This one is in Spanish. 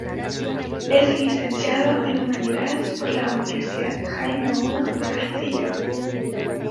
Es licenciado en Humanidades por la Universidad Jaime I de Castellón.